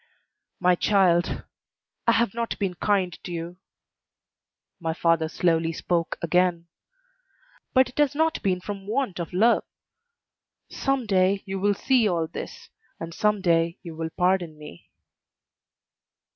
"My child, I have not been kind to you," my father slowly spoke again, "but it has not been from want of love. Some day you will see all this, and some day you will pardon me."